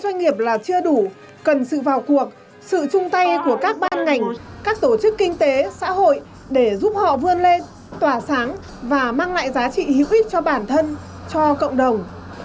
doanh nghiệp là chưa đủ cần sự vào cuộc sự chung tay của các ban ngành các tổ chức kinh tế xã hội để giúp họ vươn lên tỏa sáng và mang lại giá trị hữu ích cho bản thân cho cộng đồng